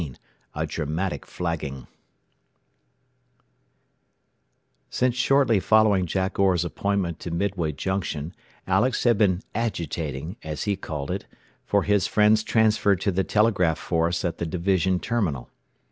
XVI A DRAMATIC FLAGGING Since shortly following Jack Orr's appointment to Midway Junction Alex had been "agitating," as he called it, for his friend's transfer to the telegraph force at the division terminal.